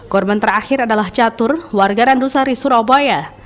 korban terakhir adalah catur warga randusari surabaya